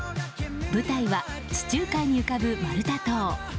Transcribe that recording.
舞台は地中海に浮かぶマルタ島。